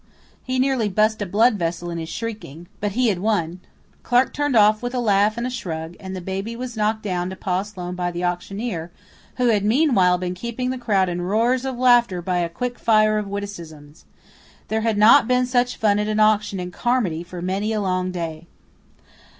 He nearly bust a blood vessel in his shrieking, but he had won. Clarke turned off with a laugh and a shrug, and the baby was knocked down to Pa Sloane by the auctioneer, who had meanwhile been keeping the crowd in roars of laughter by a quick fire of witticisms. There had not been such fun at an auction in Carmody for many a long day.